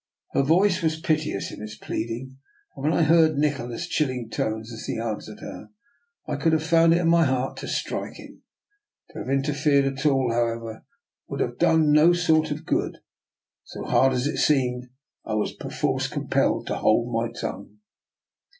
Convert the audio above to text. Her voice was piteous in its pleading, and when I heard Nikola's chilling tones as he an swered her, I could have found it in my heart to strike him. To have interfered at all, how ever, would have done no sort of good; so, hard as it seemed, I was perforce compelled to hold my tongue.